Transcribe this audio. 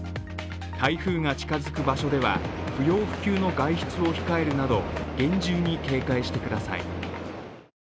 台風が近づく場所では、不要不急の外出を控えるなど厳重に警戒してください。